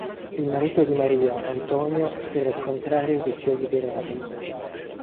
Il marito di Maria, Antonio, spera al contrario che sia liberata.